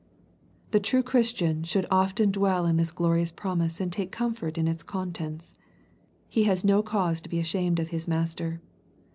The true Christian should often dwell on this glorious promise and take comfort in its contents. He has no cause to be ashamed of his Master.